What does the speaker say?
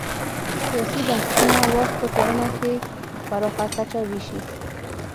سیاسي بنسټونه واک په ټولنه کې پراخه کچه وېشي.